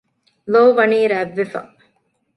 ލޯ ވަނީ ރަތް ވެފަ